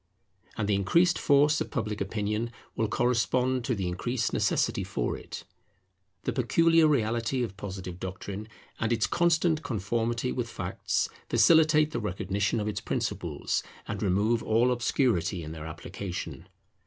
And the increased force of Public Opinion will correspond to the increased necessity for it. The peculiar reality of Positive doctrine and its constant conformity with facts facilitate the recognition of its principles, and remove all obscurity in their application.